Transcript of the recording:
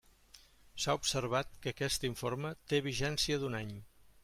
S'ha observat que aquest informe té vigència d'un any.